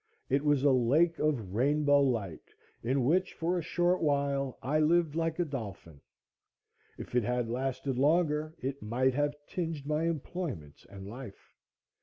It was a lake of rainbow light, in which, for a short while, I lived like a dolphin. If it had lasted longer it might have tinged my employments and life.